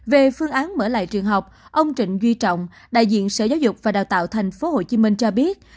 về phương án mở lại trường học ông trịnh duy trọng đại diện sở giáo dục và đào tạo tp hcm cho biết